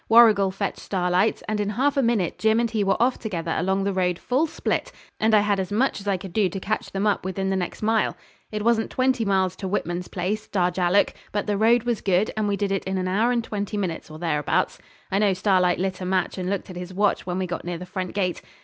Warrigal fetched Starlight's, and in half a minute Jim and he were off together along the road full split, and I had as much as I could do to catch them up within the next mile. It wasn't twenty miles to Whitman's place, Darjallook, but the road was good, and we did it in an hour and twenty minutes, or thereabouts. I know Starlight lit a match and looked at his watch when we got near the front gate.